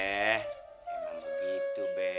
emang begitu be